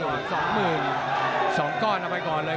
แล้วทีมงานน่าสื่อ